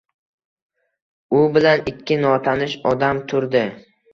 U bilan ikki notanish odam turdi.